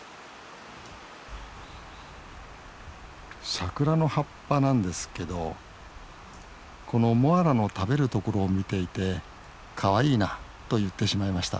サクラの葉っぱなんですけどこのモアラの食べるところを見ていて「かわいいな」と言ってしまいました。